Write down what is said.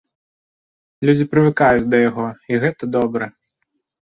Людзі прывыкаюць да яго, і гэта добра.